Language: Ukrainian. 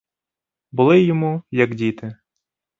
Були йому, як діти.